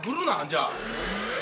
じゃあ。